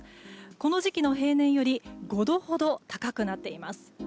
この時期の平年より５度ほど高くなっています。